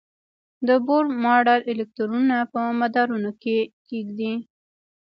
د بور ماډل الکترونونه په مدارونو کې ږدي.